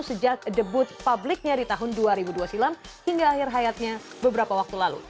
sejak debut publiknya di tahun dua ribu dua silam hingga akhir hayatnya beberapa waktu lalu